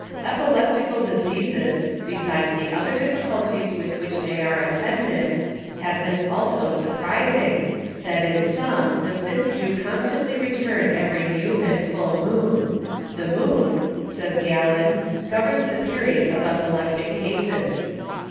Epileptical Diseases besides the other Difficultys with which they are attended, have this also surprizing, that in some the Fits do constantly return every New and Full Moon; the Moon (says Galen) governs the Periods of Epileptic Cases.